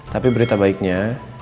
tapi berita baiknya